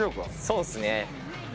そうですね。